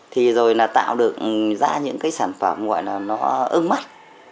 thì rồi là tạo được ra những cái sản phẩm gọi là nó ưng mắt